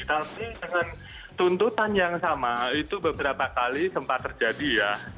tapi dengan tuntutan yang sama itu beberapa kali sempat terjadi ya